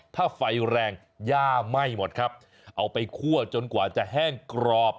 ถ้าไฟแรงย่าไหม้หมดครับเอาไปคั่วจนกว่าจะแห้งกรอบ